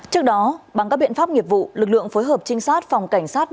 trước đó bằng các biện pháp nghiệp vụ lực lượng phối hợp trinh sát phòng cảnh sát